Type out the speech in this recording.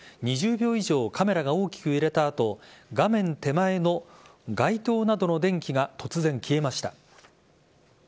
２０秒以上カメラが大きく揺れた後画面手前の街灯などの電気が突然消えました。